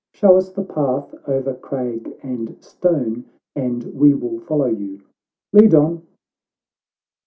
— Show us the path o'er crag and stone, And we will follow you ;— lead on."